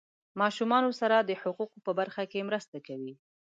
ماشومانو سره د حقوقو په برخه کې مرسته کوي.